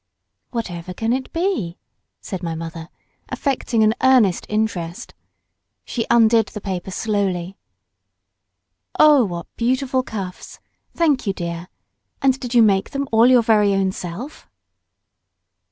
"Whatever can it be?" said my mother, affecting an earnest interest. She undid the paper slowly. "Oh, what beautiful cuffs! Thank you, dear. And did you make them all your very own self?"